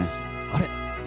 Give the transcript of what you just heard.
あれ？